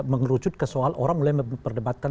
mengerucut ke soal orang mulai memperdebatkan